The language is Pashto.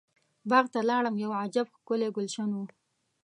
باغ ته لاړم یو عجب ښکلی ګلشن و.